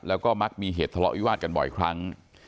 แล้วก็มักมีเหตุทะเลาะวิวาสกันบ่อยครั้ง